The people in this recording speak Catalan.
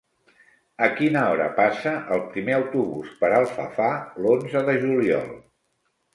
A quina hora passa el primer autobús per Alfafar l'onze de juliol?